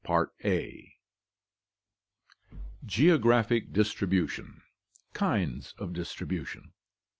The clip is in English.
CHAPTER IV Geographic Distribution Kinds of Distribution.